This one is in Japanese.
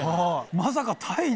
まさか。